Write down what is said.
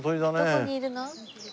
どこにいるの？